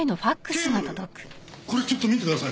これちょっと見てください。